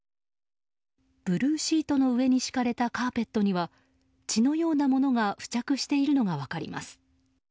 ブルーシートの上に敷かれたカーペットには血のようなものが付着しているのが分かります。